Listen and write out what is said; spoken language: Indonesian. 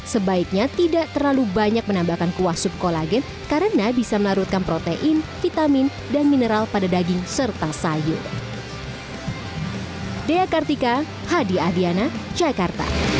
sebaiknya tidak terlalu banyak menambahkan kuah sup kolagen karena bisa melarutkan protein vitamin dan mineral pada daging serta sayur